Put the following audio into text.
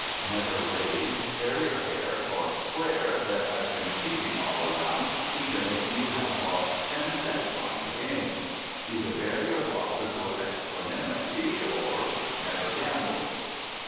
Never rave, tear your hair, or swear there has been cheating all around, even if you have lost ten cents on the game. Either bear your losses with equanimity, or never gamble.